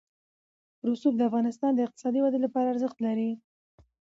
رسوب د افغانستان د اقتصادي ودې لپاره ارزښت لري.